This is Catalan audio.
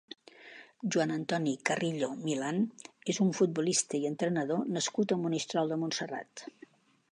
Joan Antoni Carrillo Milán és un futbolista i entrenador nascut a Monistrol de Montserrat.